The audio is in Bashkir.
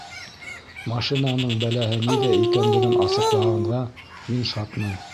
Машинаңдың бәләһе ниҙә икәнлеген асыҡлағанға мин шатмын.